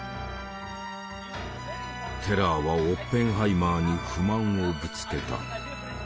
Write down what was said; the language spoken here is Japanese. テラーはオッペンハイマーに不満をぶつけた。